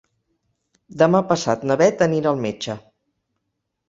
Demà passat na Beth anirà al metge.